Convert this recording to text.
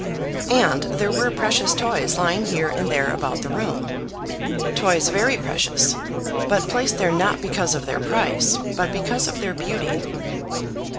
And there were precious toys lying here and there about the room, toys very precious, but placed there not because of their price, but because of their beauty.